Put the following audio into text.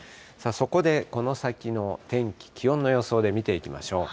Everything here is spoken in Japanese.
そこでこの先の天気、気温の予想で見ていきましょう。